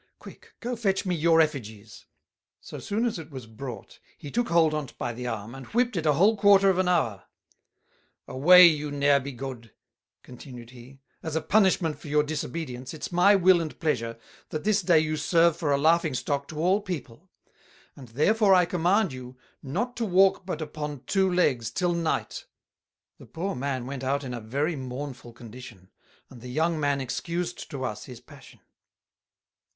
Quick, go fetch me your Effigies:" So soon as it was brought, he took hold on't by the Arm, and Whipt it a whole quarter of an Hour: "Away you ne'er be good," continued he; "as a Punishment for your disobedience, it's my Will and Pleasure, that this day you serve for a Laughing stock to all People; and therefore I command you, not to walk but upon two Legs, till Night." The Poor Man went out in a very mournful Condition, and the Young man excused to us his Passion.